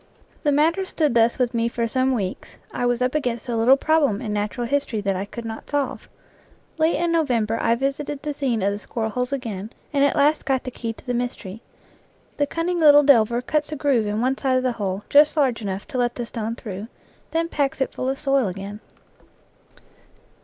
The matter stood thus with me for some weeks; I was up against a little problem in natural history that I could not solve. Late in November I visited the scene of the squirrel holes again, and at last got the key to the mystery : the cunning little delver cuts a groove in one side of the hole just large enough to let the stone through, then packs it full of soil again.